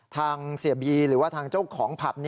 ทางเสียบีหรือว่าทางเจ้าของผับ